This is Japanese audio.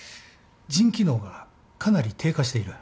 腎機能がかなり低下している。